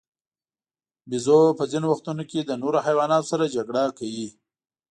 بیزو په ځینو وختونو کې د نورو حیواناتو سره جګړه کوي.